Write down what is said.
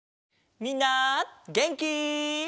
みんなげんき？